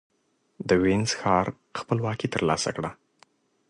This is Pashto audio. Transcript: د وينز ښار خپلواکي ترلاسه کړه.